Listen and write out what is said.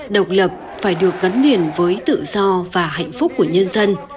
độc lập phải được gắn liền với tự do và hạnh phúc của nhân dân